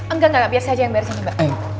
enggak enggak biar saya aja yang bayar